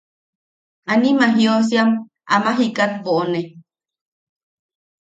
Anima jiosiam ama jikat boʼone.